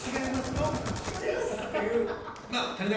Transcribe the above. ノブさん違います」っていう。